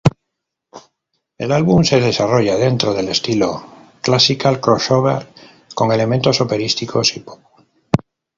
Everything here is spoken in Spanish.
El álbum se desarrolla dentro del estilo classical crossover, con elementos operísticos y pop.